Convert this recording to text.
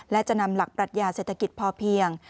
และจะนำหลักปรัชญาเศรษฐกิจพอเพียง